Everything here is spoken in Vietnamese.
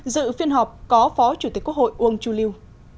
dự phiên họp có phó chủ tịch quốc hội uông chu liêu